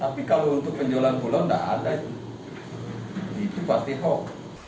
tapi kalau untuk penjualan pulau tidak ada itu batik kok